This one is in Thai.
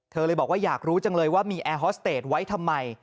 เลยบอกว่าอยากรู้จังเลยว่ามีแอร์ฮอสเตจไว้ทำไม